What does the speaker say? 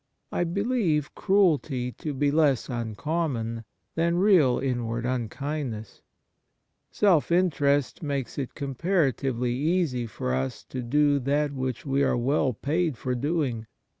I believe cruelty to be less uncommon than real inward unkindness. Self interest makes it comparatively easy for us to do that which we are well paid for doing.